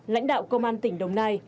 lãnh đạo công an tỉnh đồng nai